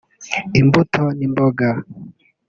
imbuto n’imboga